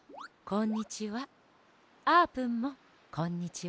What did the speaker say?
こんにちは。